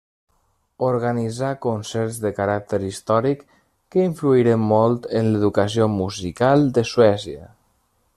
Organitzà concerts de caràcter històric, que influïren molt en l'educació musical de Suècia.